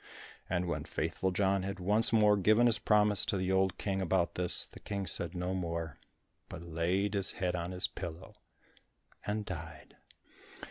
And when Faithful John had once more given his promise to the old King about this, the King said no more, but laid his head on his pillow, and died.